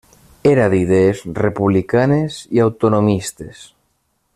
Era d'idees republicanes i autonomistes.